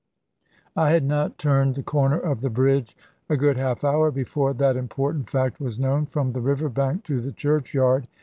I had not turned the corner of the bridge a good half hour, before that important fact was known from the riverbank to the churchyard.